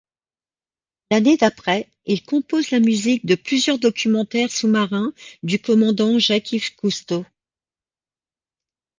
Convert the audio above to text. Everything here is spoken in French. L'année d'après, il compose la musique de plusieurs documentaires sous-marins du commandant Jacques-Yves Cousteau.